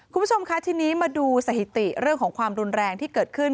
คุณผู้ชมคะทีนี้มาดูสถิติเรื่องของความรุนแรงที่เกิดขึ้น